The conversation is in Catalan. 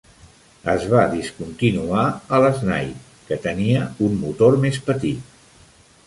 Es va discontinuar el Snipe, que tenia un motor més petit.